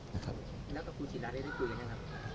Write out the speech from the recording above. แล้วกับอุจิราณล่ะก้ายได้คุยอย่างไร